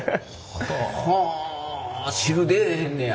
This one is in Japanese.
ほう汁出えへんねや。